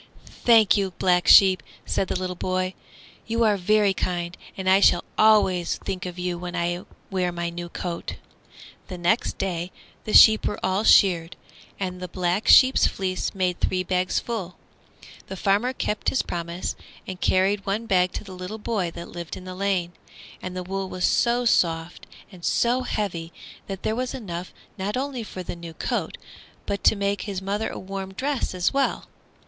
"Thank you, Black Sheep," said the little boy; "you are very kind, and I shall always think of you when I wear my new coat." The next day the sheep were all sheared, and the Black Sheep's fleece made three big bagsful. The farmer kept his promise and carried one bag to the little boy that lived in the lane, and the wool was so soft and so heavy that there was enough not only for the new coat, but to make his mother a warm dress as well.